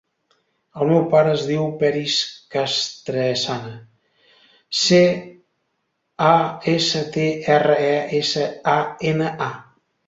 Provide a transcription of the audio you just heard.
El meu pare es diu Peris Castresana: ce, a, essa, te, erra, e, essa, a, ena, a.